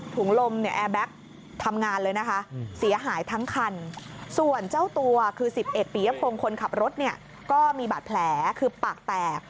ปียะโพงคนขับรถก็มีบาดแผลคือปากแตก